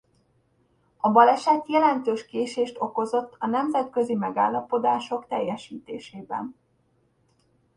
A baleset jelentős késést okozott a nemzetközi megállapodások teljesítésében.